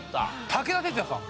武田鉄矢さん。